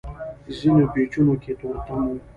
ځينو پېچونو کې تورتم و.